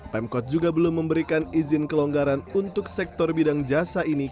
pemkot juga belum memberikan izin kelonggaran untuk sektor bidang jasa ini